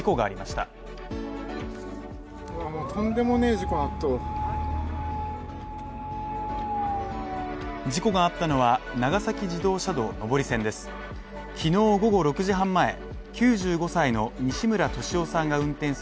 事故があったのは長崎自動車道上り線です。